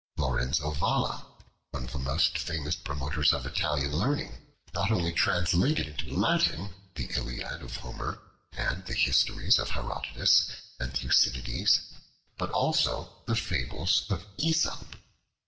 Lorenzo Valla, one of the most famous promoters of Italian learning, not only translated into Latin the Iliad of Homer and the Histories of Herodotus and Thucydides, but also the Fables of Aesop.